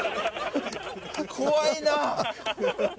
怖いな。